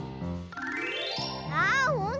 あほんとだ。